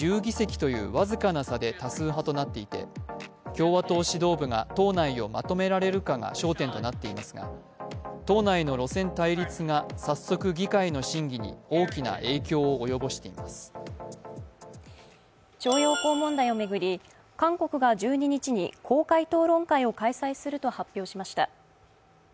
３日が始まった新たな会期では、共和党が民主党に１０議席という僅かな差で多数派となっていて、共和党指導部が党内をまとめられるかが焦点となっていますが党内の路線対立が早速議会の審議に徴用工問題を巡り、韓国が１２日に公開討論会を開催すると発表しました。